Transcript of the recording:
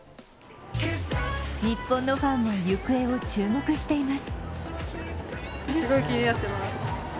日本のファンも行方を注目しています。